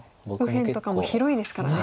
右辺とかも広いですからね。